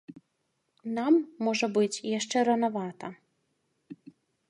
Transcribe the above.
Нам, можа быць, яшчэ ранавата.